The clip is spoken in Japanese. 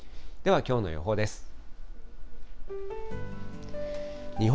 ではきょうの予報です。